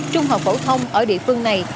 trung học phổ thông ở địa phương này